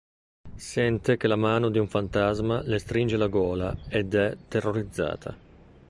Sente che la mano di un fantasma le stringe la gola ed è "terrorizzata".